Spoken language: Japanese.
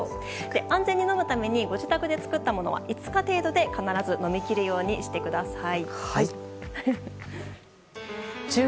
安全に飲むためにご自宅で作ったものは５日程度で必ず飲み切るようにしてください。